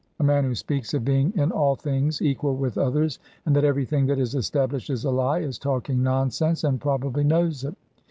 A man who speaks of being in all things equal with others, and that everything that is established is a lie, is talking nonsense and probably knows it."